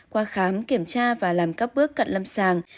qua khám kiểm tra và làm các bước cận lâm sàng